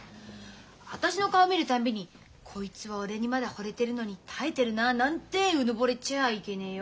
私の顔見る度に「こいつは俺にまだほれてるのに耐えてるな」なんてうぬぼれちゃあいけねえよ。